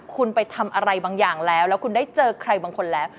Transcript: คุณไปทำอะไรบางอย่างแล้วแล้วคุณได้เจอใครบางคนแล้ว